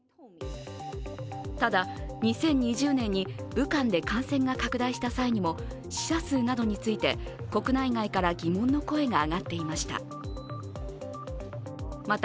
ただ、２０２０年に武漢で感染が拡大した際にも死者数などについて国内外から疑問の声が上がっていました。